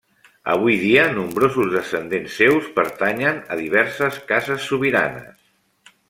Avui dia nombrosos descendents seus pertanyen a diverses cases sobiranes.